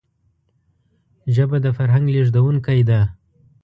ژبه د فرهنګ لېږدونکی ده